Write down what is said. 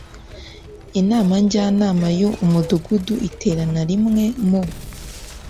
Inama Njyanama y Umudugudu iterana rimwe mu